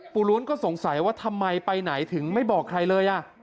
ล้วนก็สงสัยว่าทำไมไปไหนถึงไม่บอกใครเลย